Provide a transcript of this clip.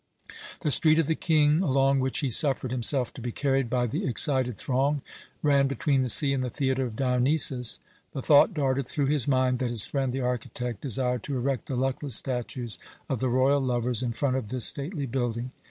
The Street of the King, along which he suffered himself to be carried by the excited throng, ran between the sea and the Theatre of Dionysus. The thought darted through his mind that his friend the architect desired to erect the luckless statues of the royal lovers in front of this stately building.